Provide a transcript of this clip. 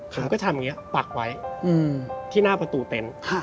ผมก็ทำอย่างนี้ปักไว้ที่หน้าประตูเต็นต์